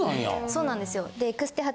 そうなんですよ。